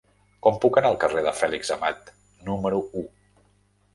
Com puc anar al carrer de Fèlix Amat número u?